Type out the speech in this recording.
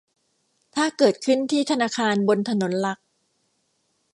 ถ้าเกิดขึ้นที่ธนาคารบนถนนหลัก